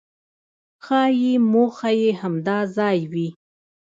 ښایي موخه یې همدا ځای وي.